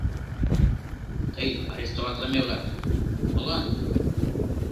«Тый арестоватлыме улат!» — «Молан?